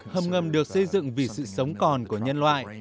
hầm ngầm được xây dựng vì sự sống còn của nhân loại